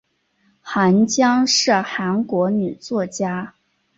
韩江是韩国女作家。